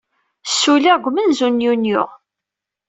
Ssulliɣ deg umenzu n Yunyu.